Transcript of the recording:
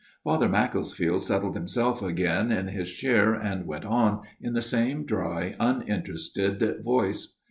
Father Macclesfield settled himself again in his chair and went on, in the same dry uninterested voice.